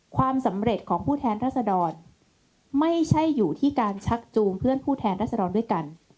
ความสำเร็จของผู้แทนรัศดรไม่ใช่อยู่ที่การชักจูงเพื่อนผู้แทนรัศดรด้วยกัน